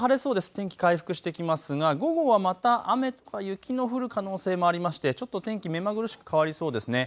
天気回復してきますが午後はまた雨とか雪の降る可能性もありましてちょっと天気目まぐるしく変わりそうですね。